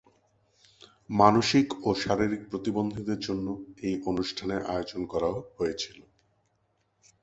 মানসিক ও শারীরিক প্রতিবন্ধীদের জন্য এই অনুষ্ঠানের আয়োজন করা হয়েছিল।